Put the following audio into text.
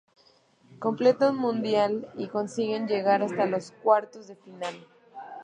Completa un buen Mundial y consiguen llegar hasta los Cuartos de Final.